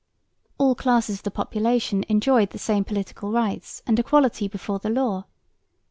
All classes of the population enjoyed the same political rights and equality before the law.